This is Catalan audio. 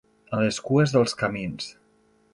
A les cues dels camins.